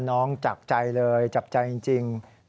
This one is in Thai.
น้องจับใจเลยจับใจจริง